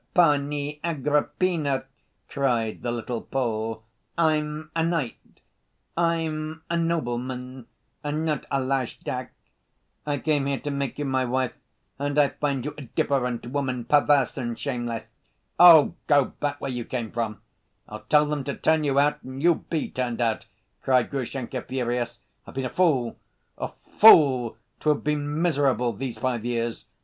"Pani Agrippina!" cried the little Pole. "I'm—a knight, I'm—a nobleman, and not a lajdak. I came here to make you my wife and I find you a different woman, perverse and shameless." "Oh, go back where you came from! I'll tell them to turn you out and you'll be turned out," cried Grushenka, furious. "I've been a fool, a fool, to have been miserable these five years!